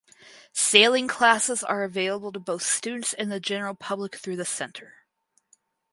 Sailing classes are available to both students and the general public through the Center.